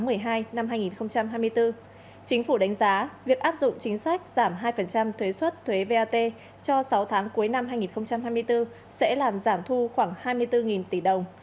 chính phủ đánh giá việc áp dụng chính sách giảm hai thuế xuất thuế vat cho sáu tháng cuối năm hai nghìn hai mươi bốn sẽ làm giảm thu khoảng hai mươi bốn tỷ đồng